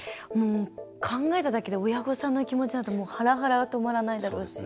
考えただけで親御さんの気持ちになるとはらはらが止まらないだろうし。